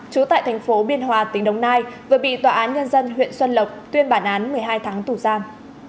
trú tại thành phố biên hòa tỉnh đồng nai vừa bị tòa án nhân dân huyện xuân lộc tuyên bản án một mươi hai tháng tù giam